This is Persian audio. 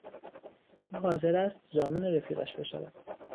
او حاضر است ضامن رفیقش بشود.